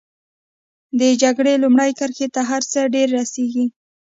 د جګړې لومړۍ کرښې ته هر څه ډېر رسېږي.